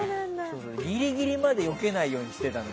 ギリギリまでよけないようにしてたの。